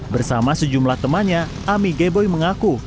bersama sejumlah temannya ami geboi mengaku